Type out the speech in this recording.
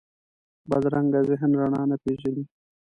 بدرنګه ذهن رڼا نه پېژني